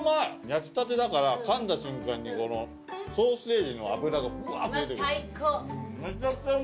焼きたてだからかんだ瞬間にソーセージの脂がブワっと出て来る。